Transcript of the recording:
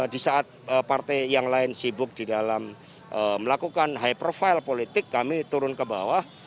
di saat partai yang lain sibuk di dalam melakukan high profile politik kami turun ke bawah